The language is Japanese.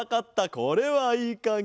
これはいいかげ。